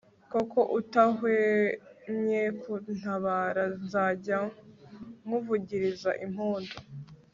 kuko utahwemye kuntabara, nzajya nkvugiriza impundu